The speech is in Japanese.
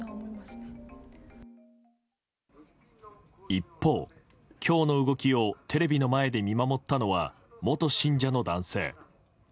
一方、今日の動きをテレビの前で見守ったのは元信者の男性。